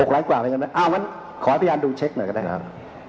๖ล้านกว่าหรือยังไงเอาไงขอให้พยานดูเช็คหน่อยกันได้ครับ